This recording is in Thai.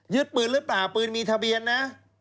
ปืนหรือเปล่าปืนมีทะเบียนนะ